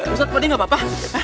ustaz padahal gak apa apa